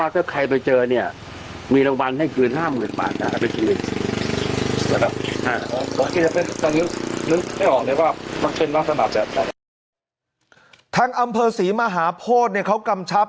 ทางอำเภอศรีมหาโพธิเขากำชับ